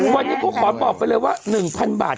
วันนี้พวกขอตอบไปเลยว่า๑๐๐๐บาท